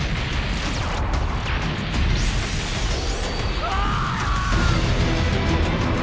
うわ！